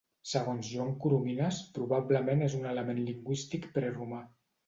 Segons Joan Coromines probablement és un element lingüístic preromà.